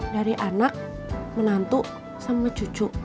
dari anak menantu sama cucu